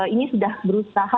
ini sudah berusaha